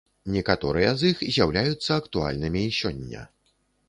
Некаторыя з іх з'яўляюцца актуальнымі і сёння.